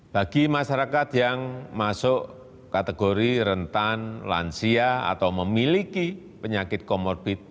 bagi masyarakat yang masuk kategori rentan lansia atau memiliki penyakit komorbid